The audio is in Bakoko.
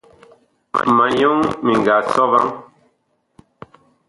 Ma nyɔŋ mi nga sɔ vaŋ.